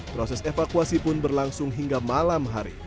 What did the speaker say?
proses evakuasi pun berlangsung hingga malam hari